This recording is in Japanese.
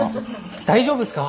大丈夫っすか？